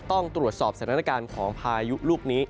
ต้องตรวจสอบสถานการณ์ของพายุลูกนี้